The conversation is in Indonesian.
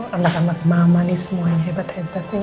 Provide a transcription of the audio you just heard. andak andak mama nih semuanya hebat hebat